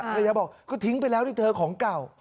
ภรรยาบอกก็ทิ้งไปแล้วนี่เธอของเก่า